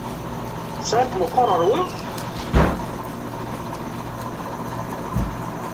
Tesɛiḍ-t meqqer ɣer wa?